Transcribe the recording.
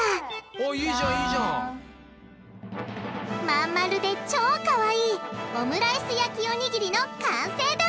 真ん丸で超かわいいオムライス焼きおにぎりの完成だ！